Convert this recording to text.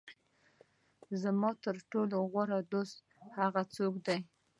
زما تر ټولو غوره دوست هغه څوک دی.